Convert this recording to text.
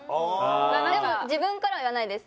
でも自分からは言わないです。